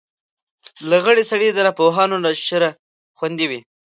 غلی سړی، د ناپوهانو له شره خوندي وي.